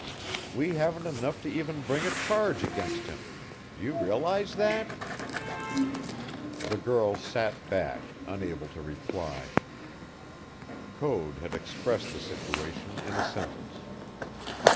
We haven't enough to even bring a charge against him. Do you realize that?" The girl sat back, unable to reply. Code had expressed the situation in a sentence.